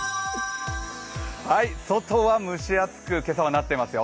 外は蒸し暑く、今朝はなっていますよ。